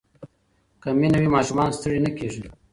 که مینه وي ماشومان ستړي نه کېږي.